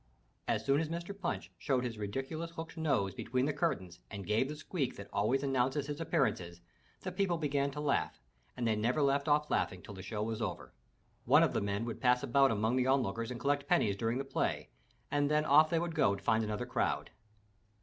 As soon as^^ 439 MY BOOK HOUSE Mr. Punch showed his ridiculous hooked nose between the curtains and gave the squeak that always announces his appearances, the people began to laugh, and they never left off laughing till the show was over. One of the men would pass about among the on lookers and collect pennies during the play, and then off they would go to find another crowd.